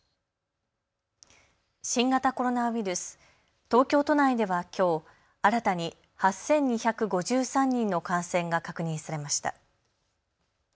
新型コロナウイルス、東京都内ではきょう、新たに８２５３人の感染が確認されました。